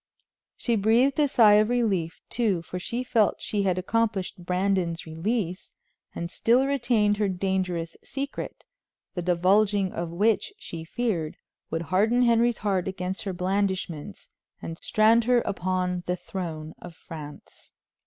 She breathed a sigh of relief, too, for she felt she had accomplished Brandon's release, and still retained her dangerous secret, the divulging of which, she feared, would harden Henry's heart against her blandishments and strand her upon the throne of France.